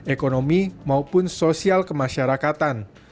ekonomi maupun sosial kemasyarakatan